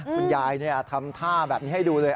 คุณยายทำท่าแบบนี้ให้ดูเลย